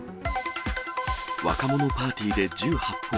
若者パーティーで銃発砲。